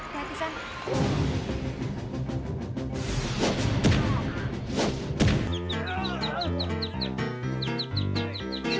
terima kasih san